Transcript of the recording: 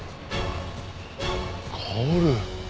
薫。